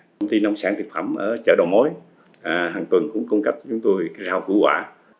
công ty nông sản thực phẩm ở chợ đầu mối hàng tuần cũng cung cấp cho chúng tôi rau củ quả